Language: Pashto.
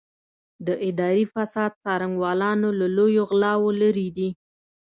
د اداري فساد څارنوالان له لویو غلاوو لېرې دي.